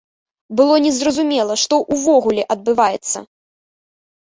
Было незразумела, што ўвогуле адбываецца.